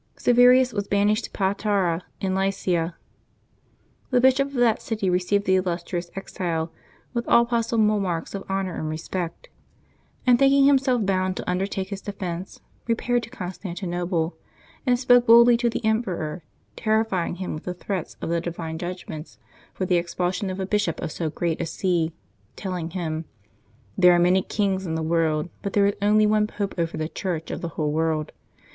Silverius was banished to Patara in Lycia. The bishop of that city received the illustrious exile with all possible marks of honor and respect ; and thinking himself bound to under take his defence, repaired to Constantinople, and spoke boldly to the emperor, terrifying him with the threats of the divine judgments for the expulsion of a bishop of so great a see, telling him, " There are many kings in the world, but there is only one Pope over the Church of the whole world."